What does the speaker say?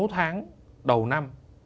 sáu tháng đầu năm